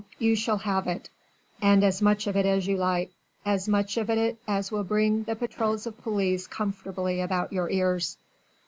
you shall have it and as much of it as you like! as much of it as will bring the patrols of police comfortably about your ears."